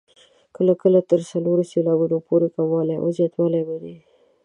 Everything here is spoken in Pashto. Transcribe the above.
کله کله تر څلورو سېلابونو پورې کموالی او زیاتوالی مني.